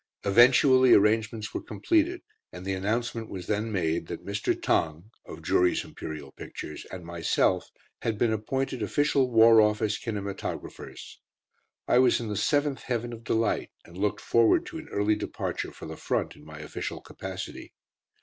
Eventually arrangements were completed, and the announcement was then made that Mr. Tong (of Jury's Imperial Pictures) and myself had been appointed Official War Office Kinematographers. I was in the seventh heaven of delight, and looked forward to an early departure for the Front in my official capacity.